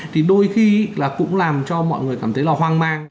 thì đôi khi là cũng làm cho mọi người cảm thấy là hoang mang